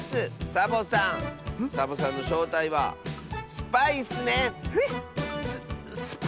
サボさんサボさんのしょうたいはスパイッスね！へ？